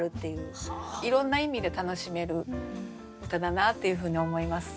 いろんな意味で楽しめる歌だなっていうふうに思います。